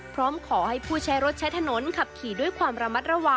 พร้อมขอให้ผู้ใช้รถใช้ถนนขับขี่ด้วยความระมัดระวัง